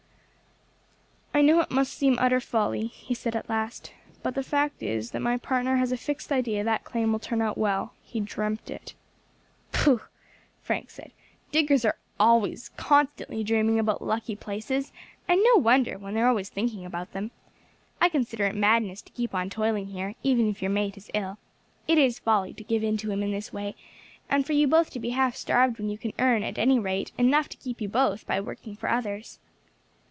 "I know it must seem utter folly," he said at last, "but the fact is my partner has a fixed idea that claim will turn out well; he dreamt it." "Pooh!" Frank said; "diggers are constantly dreaming about lucky places and no wonder, when they are always thinking about them. I consider it madness to keep on toiling here, even if your mate is ill. It is folly to give in to him in this way, and for you both to be half starved when you can earn, at any rate, enough to keep you both by working for others."